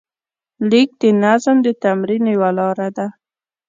لیک د نظم د تمرین یوه لاره وه.